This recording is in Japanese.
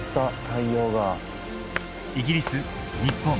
イギリス日本